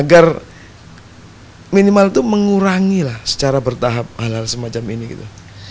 agar minimal itu mengurangi lah secara bertahap hal hal semacam ini gitu